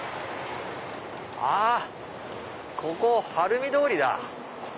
あここ晴海通りだ。